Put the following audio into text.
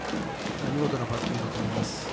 見事なバッティングだと思います。